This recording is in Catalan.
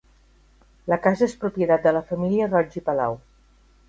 La casa és propietat de la família Roig i Palau.